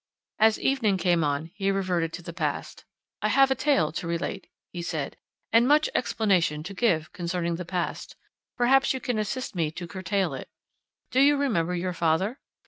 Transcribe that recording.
As evening came on, he reverted to the past. "I have a tale to relate," he said, "and much explanation to give concerning the past; perhaps you can assist me to curtail it. Do you remember your father?